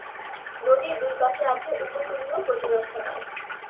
নদীর দুই পাশে আছে উপকূলীয় প্রতিরক্ষা বাঁধ।